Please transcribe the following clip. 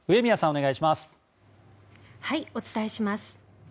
お伝えします。